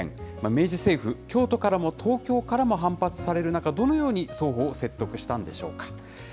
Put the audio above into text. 明治政府、京都からも東京からも反発される中、どのように双方を説得したんでしょうか。